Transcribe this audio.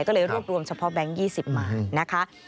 ก็เลยเรียกรวมเฉพาะแบงค์๒๐ล้านนะคะ